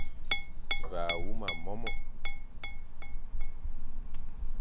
Ve a huma mome,